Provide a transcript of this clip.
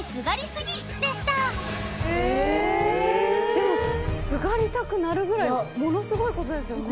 でもすがりたくなるぐらいものスゴイことですよね